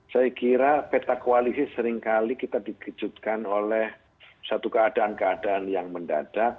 saya kira peta koalisi seringkali kita dikejutkan oleh satu keadaan keadaan yang mendadak